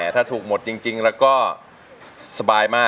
ถูกหมดแล้วก็สบายมาก